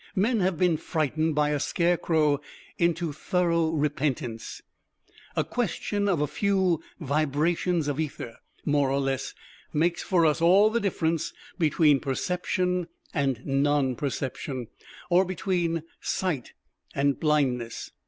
Men have been frightened by a scarecrow into thorough repentance. "A question of a few vibrations of ether, more or less, makes for us all the difference between perception and non perception," or between sight and blindness.